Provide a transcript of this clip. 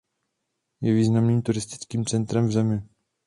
Je významným turistickým centrem v zemi.